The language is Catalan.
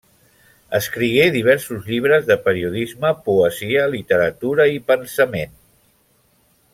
Escrigué diversos llibres de periodisme, poesia, literatura i pensament.